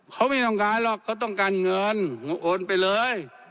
เขาไม่ต้องการหรอกเขาต้องการเงินโอนไปเลย